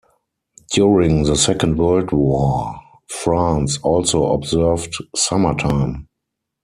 During the Second World War France also observed summer time.